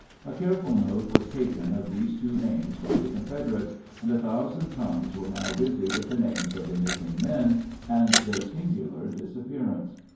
A careful note was taken of these two names by the Confederates, and a thousand tongues were now busy with the names of the missing men and their singular disappearance.